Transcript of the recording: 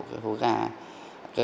cái hố ga này